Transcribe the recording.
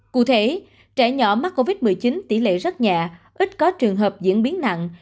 cụ thể trẻ nhỏ mắc covid một mươi chín tỷ lệ rất nhẹ ít có trường hợp diễn biến nặng